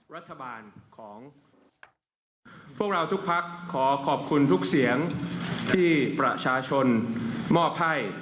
รัฐบาลของพวกเราทุกพักขอขอบคุณทุกเสียงที่ประชาชนมอบให้